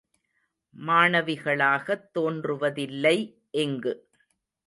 மாணவிகளாகத் தோன்றுவதில்லை இங்கு.